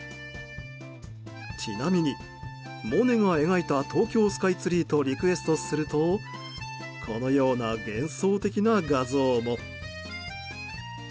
ちなみに「モネの描いた東京スカイツリー」とリクエストするとこのような幻想的な画像も。